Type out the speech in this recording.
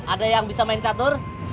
ada yang bisa main catur